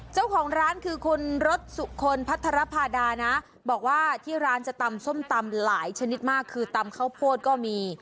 เจ้าของร้านคือคุณรสสุคนพัทรภาดานะบอกว่าที่ร้านจะตำส้มตำหลายชนิดมากคือตำข้าวโพดก็มี